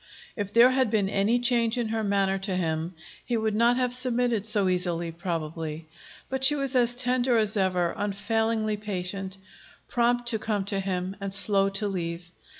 If there had been any change in her manner to him, he would not have submitted so easily, probably. But she was as tender as ever, unfailingly patient, prompt to come to him and slow to leave.